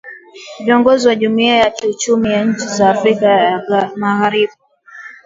viongozi wa Jumuia ya kiuchumi ya nchi za Afrika ya magharibi